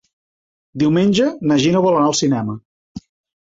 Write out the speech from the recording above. Diumenge na Gina vol anar al cinema.